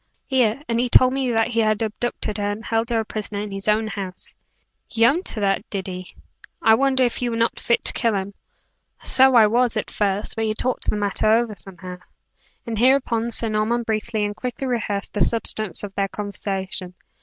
"Here; and he told me that he had abducted her, and held her a prisoner in his own house." "He owned that did he? I wonder you were not fit to kill him?" "So I was, at first, but he talked the matter over somehow." And hereupon Sir Norman briefly and quickly rehearsed the substance of their conversation.